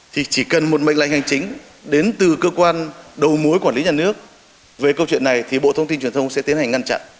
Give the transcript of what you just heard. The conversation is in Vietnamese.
thì chỉ cần một mệnh lệnh hành chính đến từ cơ quan đầu mối quản lý nhà nước về câu chuyện này thì bộ thông tin truyền thông sẽ tiến hành ngăn chặn